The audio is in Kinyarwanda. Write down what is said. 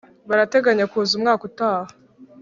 barateganya kuza umwaka utaha.